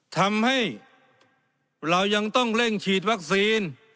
ทำให้เรายังต้องเร่งฉีดวัคซีน